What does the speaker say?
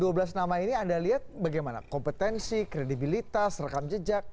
dua belas nama ini anda lihat bagaimana kompetensi kredibilitas rekam jejak